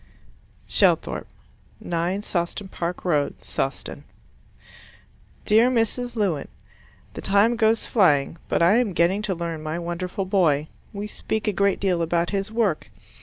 Shelthorpe, 9 Sawston Park Road, Sawston Dear Mrs. Lewin, The time goes flying, but I am getting to learn my wonderful boy. We speak a great deal about his work.